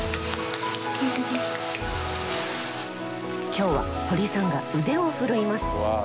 今日は堀さんが腕を振るいます！